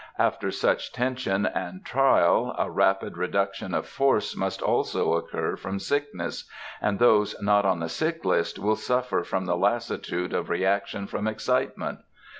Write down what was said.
After such tension and trial, a rapid reduction of force must also occur from sickness, and those not on the sick list will suffer from the lassitude of reaction from excitement.